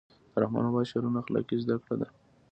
د رحمان بابا شعرونه اخلاقي زده کړه ده.